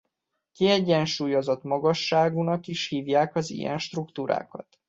Kiegyensúlyozott-magasságúnak is hívják az ilyen struktúrákat.